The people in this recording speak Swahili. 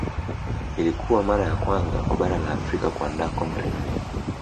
ilikuwa mara ya kwanza kwa bara la afrika kuandaa kombe la dunia